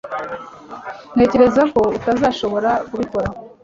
Ntekereza ko utazashobora kubikora